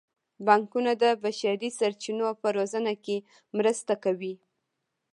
بانکونه د بشري سرچینو په روزنه کې مرسته کوي.